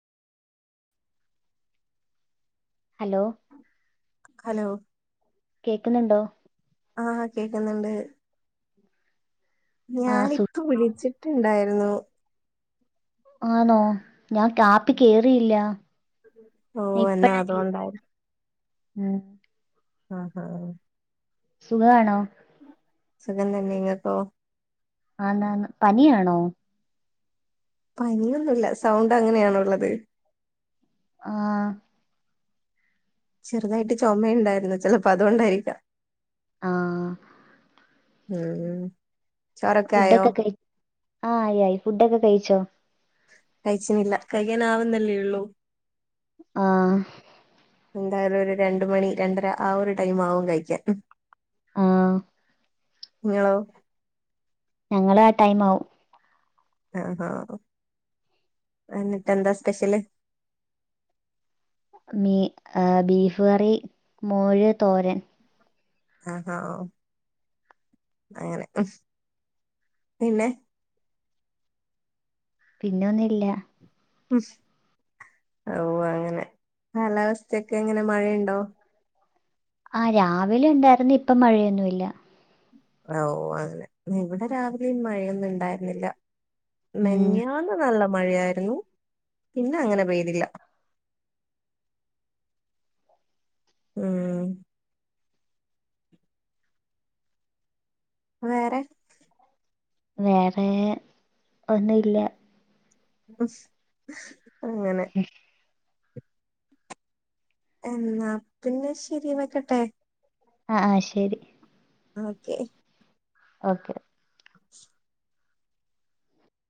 Hello hello കേക്കുന്നുണ്ടൊ? ആ കേക്കുന്നുണ്ട്. ആഹ് സു ഞാനിപ്പം വിളിച്ചിട്ട്ണ്ടായിര് രുന്നു ആന്നോ ഞാൻ കാപ്പി കേറിയില്ല ഓ ഞാൻ എന്നാ ഇപ്പഴാ കേറി അതോണ്ടായി ഉം ആ ആ സുഖാണോ സുഖംതന്നെ ങ്ങക്കോ ആന്നാ ന്ന് പനി ആണോ പനിയൊന്നുല്ല സൗണ്ട് അങ്ങനെയാണൊള്ളത് ആ ചെറുതായിട്ട് ചുമുണ്ടായിരുന്നു ചിലപ്പോ അതുകൊണ്ടായിരിക്കാം ആ ഉം ഉം ചോറൊക്കെ ആയോ ആ ആയി ആയി ഫുഡൊക്കെ കഴിച്ചോ കഴിച്ചനില്ല കഴിക്കൻ ആവുന്നല്ലേ ഉള്ളൂ ആഹ് എന്തായാലും ഒരു രണ്ട് മണി രണ്ടര ആ ഒരു ടൈം ആകും കഴിക്കാൻ ആ ങ്ങളോ ഞങ്ങള് ആ ടൈം ആവും ആ എന്നിട്ട്ന്താ സ്പെഷ്യല് മീ ആ ബീഫ് കറി മൂഴ് തോരൻ ആഹാ അങ്ങനെ പിന്നെ പിന്നൊന്ന്ല്ല ഓ അങ്ങനെ കാലാവസ്ഥയൊക്കെ എങ്ങനെ മഴയുണ്ടോ ആ രാവിലെ ഉണ്ടായിരുന്നു ഇപ്പ മഴയൊന്നുല്ല ഓ അങ്ങനെ ഇവിടെ രാവിലെയും മഴയൊന്നും ഇണ്ടായിരുന്നില്ല ഉം മിഞ്ഞാന്ന് നല്ല മഴയായിരുന്നു പിന്നെ അങ്ങനെ പെയ്തില്ല ഉം വേറെ വേറെ ഒന്നും ഇല്ല അ അങ്ങനെ എന്നാ പിന്നെ ശരി വെക്കട്ടെ ആ ആ ശരി ഓക്കേ ഓക്കെ